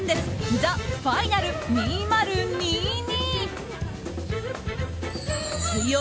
−ＴＨＥ・ファイナル２０２２−。